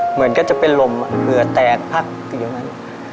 เหมือนก็จะเป็นลมเหงื่อแตกพักอยู่ตรงนั้น